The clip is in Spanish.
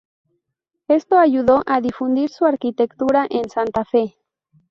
Esto ayudó a difundir su arquitectura en Santa Fe.